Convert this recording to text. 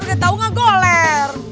udah tau gak goler